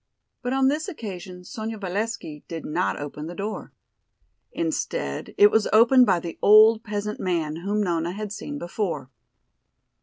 But on this occasion Sonya Valesky did not open the door. Instead it was opened by the old peasant man whom Nona had seen before.